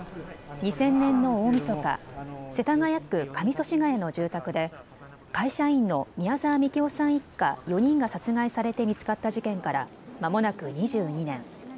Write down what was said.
２０００年の大みそか、世田谷区上祖師谷の住宅で会社員の宮沢みきおさん一家４人が殺害されて見つかった事件からまもなく２２年。